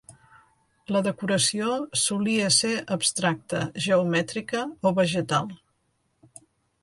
La decoració solia ser abstracta, geomètrica o vegetal.